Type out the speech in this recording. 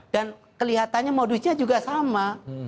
dan kelihatannya modusnya juga sama